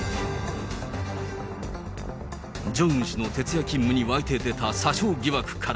ジョンウン氏の徹夜勤務に湧いて出た詐称疑惑から、